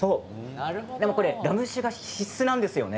ラム酒は必須なんですよね。